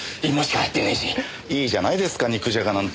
いいじゃないですか肉じゃがなんて。